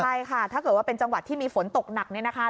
ใช่ค่ะถ้าเกิดว่าเป็นจังหวัดที่มีฝนตกหนักเนี่ยนะคะ